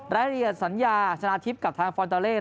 รายละเอียดสัญญาชนะทิพย์กับทางฟอนตาเลส